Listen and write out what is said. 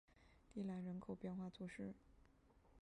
蒂兰人口变化图示